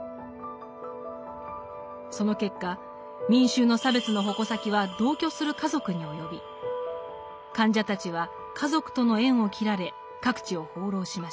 その結果民衆の差別の矛先は同居する家族に及び患者たちは家族との縁を切られ各地を放浪しました。